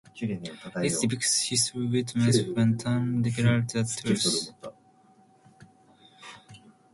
It depicts "History" witness when "Time" reveals the "Truth".